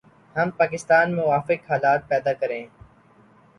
ہم پاکستان میں موافق حالات پیدا کریں